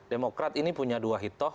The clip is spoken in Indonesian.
demokrat ini punya dua hitoh